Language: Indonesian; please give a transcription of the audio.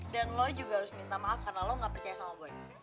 dan lo juga harus minta maaf karena lo gak percaya sama boy